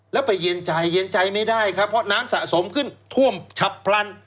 แล้วไปเย็นใจเย็นใจไม่ได้ครับเพราะน้ำสะสมขึ้นท่วมฉับพลัน